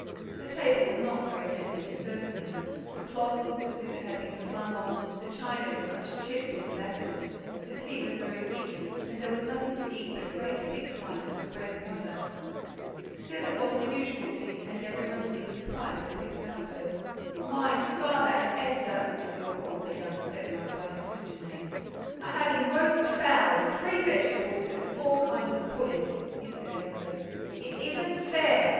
The table was not very tempting, certainly; the cloth looked as if it had been flung on, the china was much chipped and battered, the tea was very weak, and there was nothing to eat but great thick slices of bread and butter. Still, it was the usual tea, and everyone seemed surprised at Pip's outburst. "My father and Esther" (they all called their young stepmother by her Christian name) "are having roast fowl, three vegetables, and four kinds of pudding," he said angrily; "it isn't fair!"